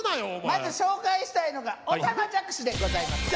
まず紹介したいのがおたまじゃくしでございます。